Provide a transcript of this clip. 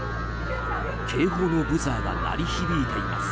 警報のブザーが鳴り響いています。